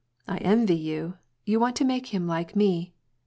I envy him ; you want to make him like me.